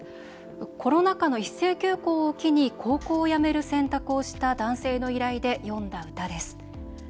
コロナ禍の一斉休校を機に高校をやめる選択をした男性の依頼で詠んだ歌です。